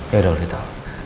ya udah udito